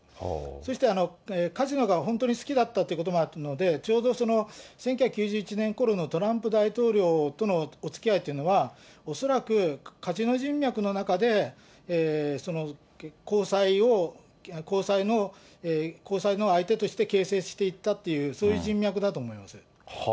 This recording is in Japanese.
そしてカジノが本当に好きだったということもあるので、ちょうどその１９９１年ころのトランプ大統領とのおつきあいというのは、恐らくカジノ人脈の中で交際を、交際の相手として形成していったという、そういう人脈だと思います。